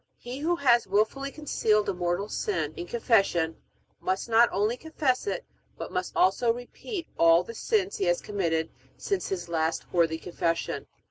He who has wilfully concealed a mortal sin in Confession must not only confess it, but must also repeat all the sins he has committed since his last worthy Confession.